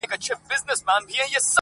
د غازیانو له شامته هدیرې دي چي ډکیږی-